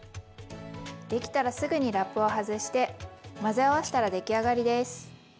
できたらすぐにラップを外して混ぜ合わしたら出来上がりです。